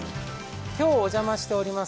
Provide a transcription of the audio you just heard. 今日お邪魔しております